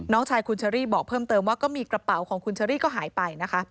น้องชายคุณเชอรี่บอกเพิ่มเติมว่าก็มีกระเป๋าของคุณเชอรี่ก็หายไปนะคะ